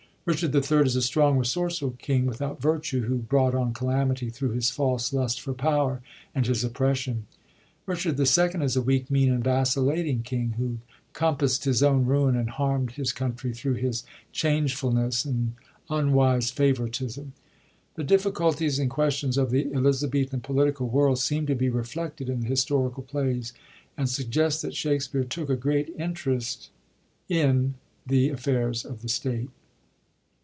Richard III. is a strong resourceful king without virtue, who brought on calamity thru his false lust for power, and his oppression ; Richard II. is a weak, mean and vacillating king, who compast his own ruin and harmd his country thru his changefulness and unwise favoritism. The difficulties and questions of the Elizabethan political world seem to be reflected in the historical plays, and suggest that Shakspere took a great interest in the affairs of the State.